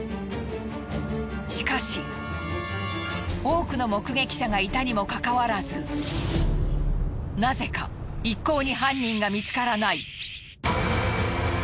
しかし多くの目撃者がいたにもかかわらずなぜか一向に犯人が見つからない。